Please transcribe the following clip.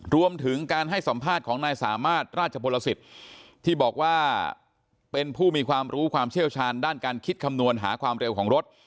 รวมถึงการให้สัมภาษณ์ของนายสามารถราชพลสิทธิ์ที่บอกว่าเป็นผู้มีความรู้ความเชี่ยวชาญด้านการคิดคำนวณหาความเร็วของรถ